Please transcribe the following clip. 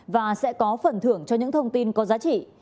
và sẽ có phần thưởng cho những thông tin có giá trị